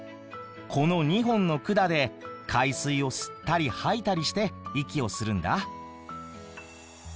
この２本の管で海水を吸ったり吐いたりして息をするんだ。